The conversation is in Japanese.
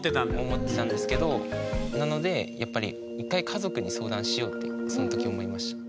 思ってたんですけどなのでやっぱり１回家族に相談しようってその時思いました。